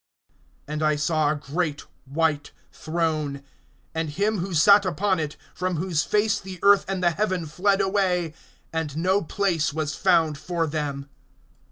(11)And I saw a great white throne, and him who sat upon it, from whose face the earth and the heaven fled away, and no place was found for them.